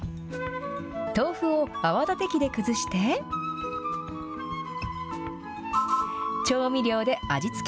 豆腐を泡だて器で崩して、調味料で味付け。